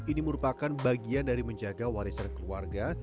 ini merupakan bagian dari menjaga warisan keluarga